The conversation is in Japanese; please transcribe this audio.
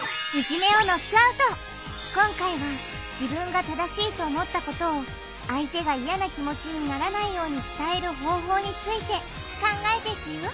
今回は自分が正しいと思ったことを相手が嫌な気持ちにならないように伝える方法について考えていくよ